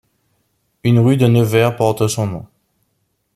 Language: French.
Une rue de Nevers porte son nom.